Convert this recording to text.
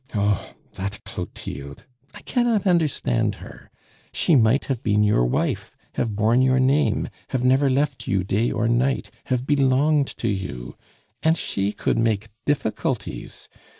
"Oh! that Clotilde! I cannot understand her. She might have been your wife, have borne your name, have never left you day or night, have belonged to you and she could make difficulties!